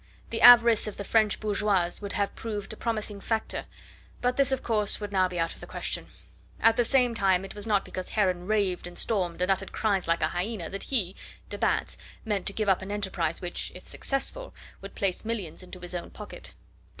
The avarice of the French bourgeoise would have proved a promising factor. But this, of course, would now be out of the question. At the same time it was not because Heron raved and stormed and uttered cries like a hyena that he, de Batz, meant to give up an enterprise which, if successful, would place millions into his own pocket.